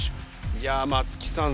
いや松木さん